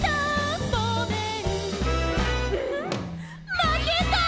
まけた」